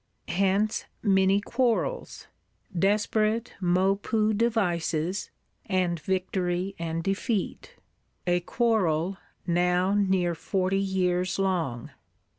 Hence many quarrels; desperate Maupeou devices, and victory and defeat;—a quarrel now near forty years long.